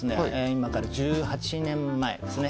今から１８年前ですね